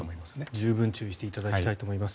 十分注意していただきたいと思います。